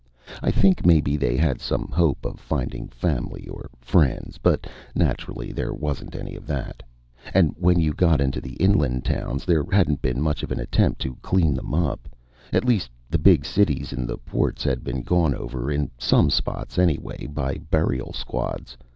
I think maybe they had some hope of finding family or friends, but naturally there wasn't any of that. And when you got into the inland towns, there hadn't been much of an attempt to clean them up. At least the big cities and the ports had been gone over, in some spots anyway, by burial squads.